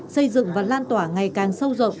xây dựng và lan tỏa ngày càng sâu rộng